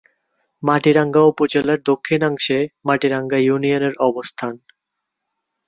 মাটিরাঙ্গা উপজেলার দক্ষিণাংশে মাটিরাঙ্গা ইউনিয়নের অবস্থান।